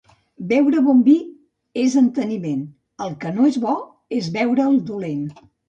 Beure bon vi és enteniment; el que no és bo és beure'l dolent.